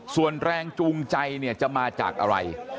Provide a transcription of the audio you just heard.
ส่วนแรงจูงใจเนี่ยจะมาจากอะไร